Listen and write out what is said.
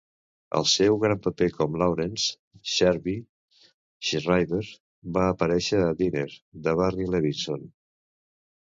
El seu gran paper com Laurence "Shrevie" Schreiber va aparèixer a "Diner" de Barry Levinson.